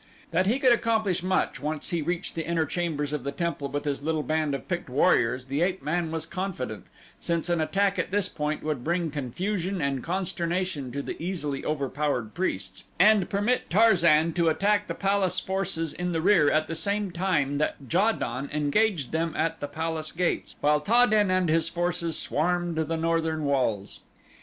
That he could accomplish much once he reached the inner chambers of the temple with his little band of picked warriors the ape man was confident since an attack at this point would bring confusion and consternation to the easily overpowered priests, and permit Tarzan to attack the palace forces in the rear at the same time that Ja don engaged them at the palace gates, while Ta den and his forces swarmed the northern walls.